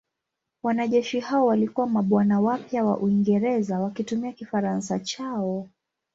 Wanajeshi hao walikuwa mabwana wapya wa Uingereza wakitumia Kifaransa chao.